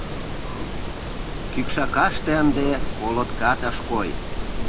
Кӱкшакаште ынде колоткат ыш кой.